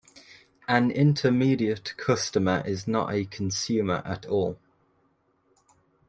An intermediate customer is not a consumer at all.